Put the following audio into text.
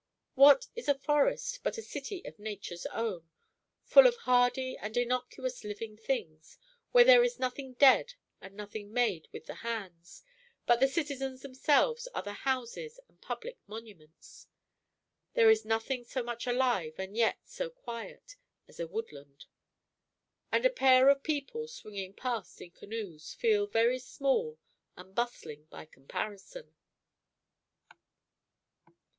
What is a forest but a city of nature's own, full of hardy and innocuous living things, where there is nothing dead and nothing made with the hands, but the citizens themselves are the houses and public monuments? There is nothing so much alive, and yet so quiet, as a woodland; and a pair of people, swinging past in canoes, feel very small and bustling by comparison.